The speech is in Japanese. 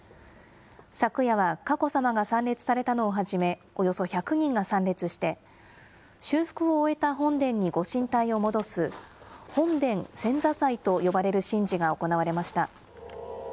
昨夜は佳子さまが参列されたのをはじめ、およそ１００人が参列して、修復を終えた本殿にご神体を戻す本殿遷座祭と呼ばれる神事が行われました。